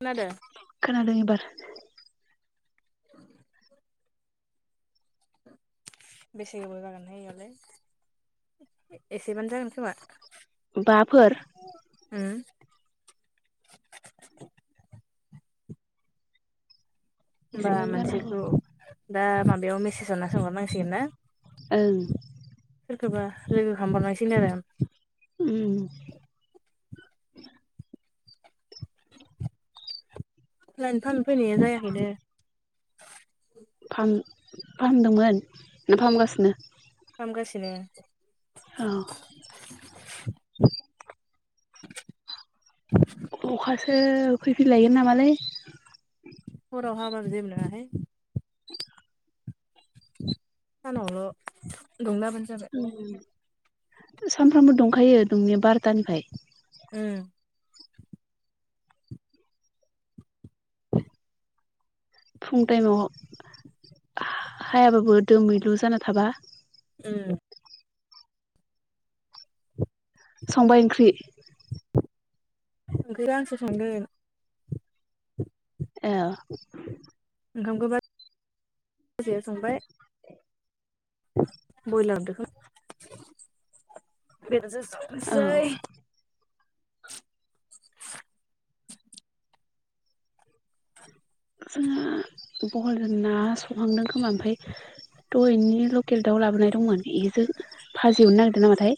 खोनादो खोनादों एबार बेसे गोबाव जागोनहाय इयावलाय एसेबानो जागोन खोमा बाफोर उम होमबा एसेबानो जानो हागौ मोनसेखौ दा माबायाव मेसेज हरना सोंहरनांसिगोन ना ओं सोरखौबा लोगो खालामबावनांसिगोन आरो ओम लायन फाहाम फैनाया जायाखै नो फाहामदोंमोन ना फाहामगासिनो फाहामगासिनो औ [inaudible] अखासो फैफिनलायगोन नामालै हराव हाबाबो जेबो नोङाहाय [inaudible] सानावल' दुंना होबानो जाबाय सानफ्रामबो दुंखायो दुंनाया बार'थानिफ्राय ओम फुं टाइमाव हायाबाबो दोमैलु जाना थाबा ओम संबाय ओंख्रि ओंख्रिआ आंसो संदों ए ओंखामखौ बाजैया संबाय। बयलार दाउ औ [unintelligible] [unintelligible] जोंङो बहलजों ना संहांदों खोमा ओमफाय थ' बिनि लकेल दाउ लाबोनाय दंमोन बेजों भाजि एवनो नागिरदों नामाथाय।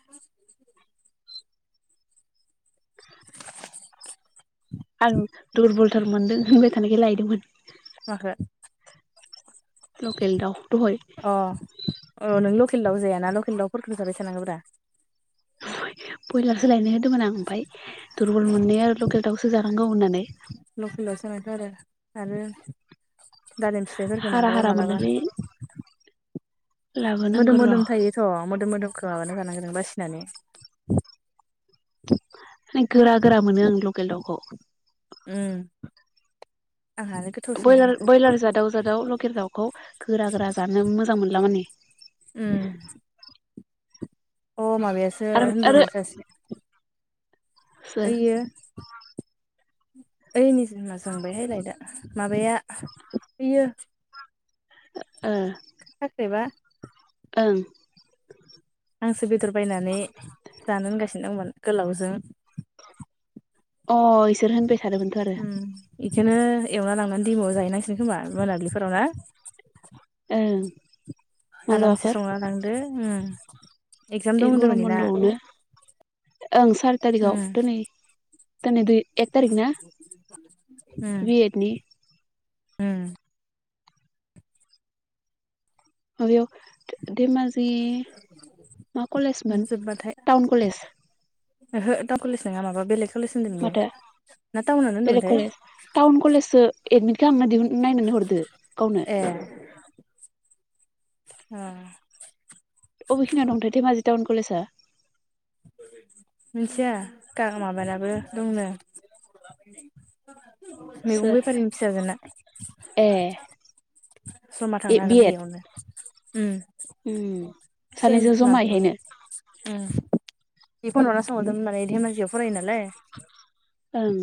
[unintelligible] आं दुरबलथार मोनदों होनबाय थानायखाय लायदोंमोन माखो लकेल दाउ दहाय अ अ नों लखेल। लकेल दाउ जायाना लकेल दाउफोरखौ जाबाय थानांगोब्रा ब्रयलारसो लायनो होदोंमोन आं ओमफ्राय दुरबल मोननाय आरो लकेल दाउसो जानांगौ होननानै। लकेल दावसो आरो आरो। दालिम फिथाइफोरखौ हारा मालाबा हारा मालाबा मोननायलाय मोदोम लाबोनांगौ र' मोदोम थायोथ' मोदोम मोदोमखौ माबाना जानांगो बासिनानै। माने गोरा गोरा मोनो आं लकेल दाउखौ उम आंहानो गोथावसो मोनो बयलार ब्रयलार जादाव जादाव लकेल दाउखौ गोरा गोरा जानो मोजां मोनला माने। उम अ माबायासो आरो आरो होनदोंमोन सासे सोर यैयो। ओइनि जोंना जोंबायहायलायदा माबाया ओइयो। [unintelligible] खाख्रेबा ओं। आंसो बेदर बायनानै जानो होनगासिनो दंमोन गोलावजों अ इसोर होनबाय थादोंमोनथ' आरो बेखौनो एवना लांनानै दैमाआव जाहैनांसिगोन खोमा मोनाब्लिफोराव ना। ओं। आरामसे मालाबाफोर संना लांदो। एगजाम दं ए गरम होनदोंमोन इना बन्द'आवनो ओं सारि उम थारिखाव दिनै। दिनै दुय एक थारिकना बिएडनि। उम। माबायाव दैमा जिं बै मा उम कलेजमोन जोब्बाथाय टाउन कलेज ओहो टावन कलेज नंङा माबा बेलेग। कलेज होनदों बियो माथो ना टाउनानो बेलेग होनदोंमोनथाय कलेज टाउन कलेजसो। एडमिट खालामनो दिहुन नायनानै हरदो गावनो। ए औ। अबेखिनियाव दंथायै धेमाजि टाउन कलेजआ। मिथिया माबानाबो दंनो। मैगं सोर बेफारिनि फिसाजोना। ए जमा ए थांनो बि हागोनदे एड इयावनो उम सेम सानैजों जमा माबायावनो। इहायनो बे फन हरना सोंहरदों माने धेमाजियाव फरायो नालाय ओं।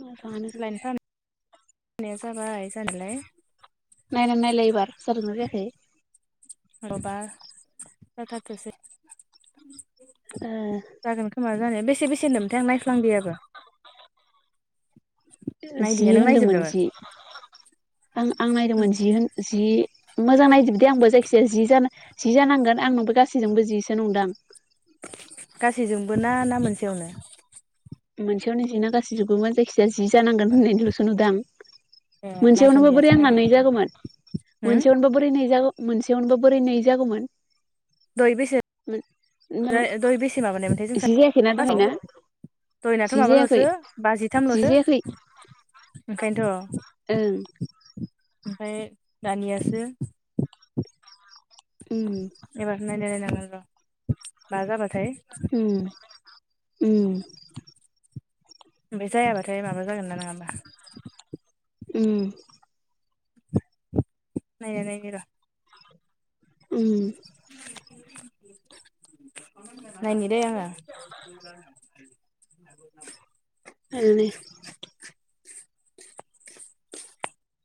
म जानो [unintelligible] होननाया जाबाय जानायालाय नायना नायलाय एबार जादोंना जायाखै? माबार जाथारथोसै। [unintelligible] बेसे बेसे होनदोमोन थाय आं नायफ्लांदियाबो जि नायदिया नों होनदोंमोन नायजोबदोंमोन जि आं आं नायदोंमोन जि होन जि मोजां नायजोबदिया आंबो जायखिजाया जि जानो जि जानांगोन आंनोबो गासैजोंबो जिसो नंदां गासैजोंबो ना ना मोनसेयावनो मोनसेयावनो जिना गाासै जोंबोमोन जायखिजाया जि जानांगोन होननायल'सो नुदां ए मोनसेयावनो बो बोरै नायसनदियासै आं आङो हाबनाय जागोमोन होम मोनसेयावनोथ' बोरै नायजागौ मोनसेयावनोबा बोरै नै जागौमोन दय बेसे [unintelligible] माने लहर बेसे माबानायमोनथाय जों जि जायाखैना फासाव दहायना दयनाथ' जि जायाखै माबाल'सो जि बाजिथामल'सो जायाखै ओंखायनोथ' ओं ओमफाय दानियासो उम एबार नायनाय नायनांगोन र' बा जाबाथाय ओम ओम ओमफाय जायाबाथाय माबा जागोन ना नोङा ओमबा ओम नायनाय नायनि र' ओम नायनि दै आङो [unintelligible] [inaudible]